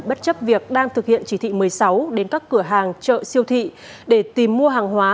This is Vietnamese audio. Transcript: bất chấp việc đang thực hiện chỉ thị một mươi sáu đến các cửa hàng chợ siêu thị để tìm mua hàng hóa